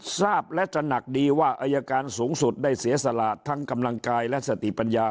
ทราบและตระหนักดีว่าอายการสูงสุดได้เสียสละทั้งกำลังกายและสติปัญญา